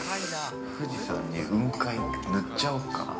◆富士山に、雲海塗っちゃおうかな。